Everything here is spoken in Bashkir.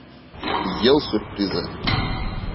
Йыл сюрпризы